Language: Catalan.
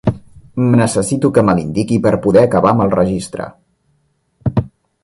Necessito que me l'indiqui per poder acabar amb el registre.